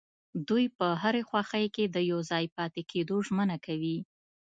دوی په هرې خوښۍ کې د يوځای پاتې کيدو ژمنه کوي.